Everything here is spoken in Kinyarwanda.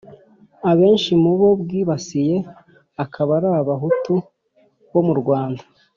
abenshi mu bo bwibasiye akaba ari abahutu bo mu rwanda